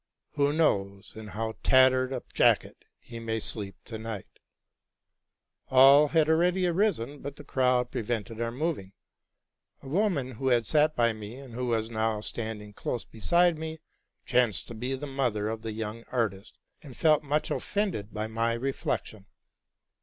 who knows in how tattered a jacket he may sleep to night !"' All had already risen, but the crowd prevented our moving. A woman who had sat by me, and who was now standing close beside me, chanced to be the mother of the young artist, and felt much offended by my reflection.